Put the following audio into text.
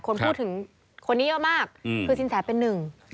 คนพูดถึงคนนี้เยอะมากคือสินแสเป็นหนึ่ง